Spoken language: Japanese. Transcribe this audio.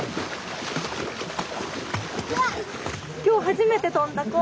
今日初めて飛んだ子？